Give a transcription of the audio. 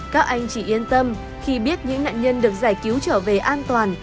các anh chỉ yên tâm khi biết những nạn nhân được giải cứu trở về an toàn